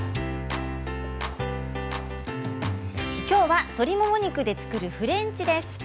きょうは鶏もも肉で作るフレンチです。